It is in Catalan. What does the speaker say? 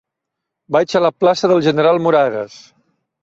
Vaig a la plaça del General Moragues.